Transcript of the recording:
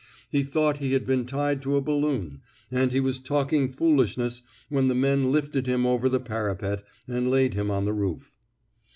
He thought he had been tied to a balloon, and he was talking foolishness when the men lifted him over the parapet and laid him on the roof.